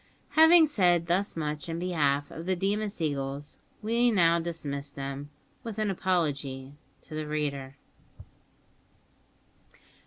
Having said thus much in behalf of the Deemas eagles, we now dismiss them, with an apology to the reader.